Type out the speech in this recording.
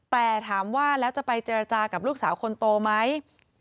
แต่ถามว่าแล้วจะไปเจรจากับลูกสาวคนโตไหม